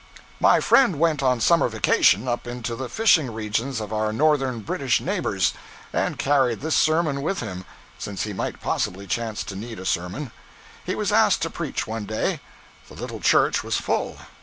My friend went on summer vacation up into the fishing regions of our northern British neighbors, and carried this sermon with him, since he might possibly chance to need a sermon. He was asked to preach, one day. The little church was full.